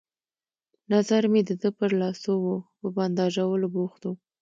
نظر مې د ده پر لاسو وو، په بنداژولو بوخت وو.